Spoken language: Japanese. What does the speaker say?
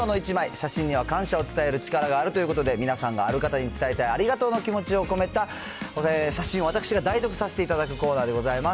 写真には感謝を伝える力があるということで、皆さんがある方に伝えたい気持ちを込めた写真を私が代読させていただくコーナーでございます。